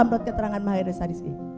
menurut keterangan maharija rizki